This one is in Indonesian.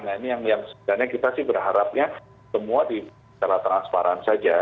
nah ini yang sebenarnya kita sih berharapnya semua secara transparan saja